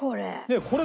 これ。